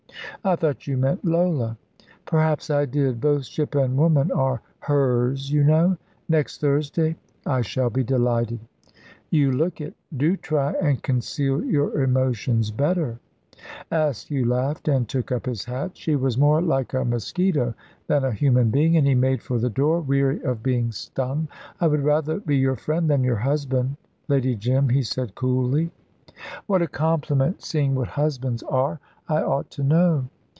"I thought you meant Lola." "Perhaps I did; both ship and woman are 'hers,' you know. Next Thursday?" "I shall be delighted." "You look it. Do try and conceal your emotions better." Askew laughed, and took up his hat. She was more like a mosquito than a human being, and he made for the door, weary of being stung. "I would rather be your friend than your husband, Lady Jim," he said coolly. "What a compliment, seeing what husbands are! I ought to know."